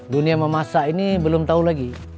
dunia memasak ini belum tahu lagi